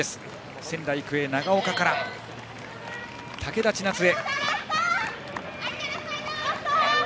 仙台育英の長岡から武田千捺へ。